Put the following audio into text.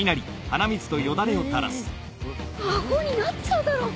アホになっちゃうだろ。